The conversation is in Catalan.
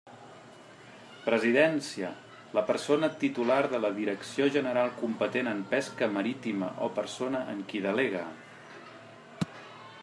Presidència: la persona titular de la direcció general competent en pesca marítima o persona en qui delegue.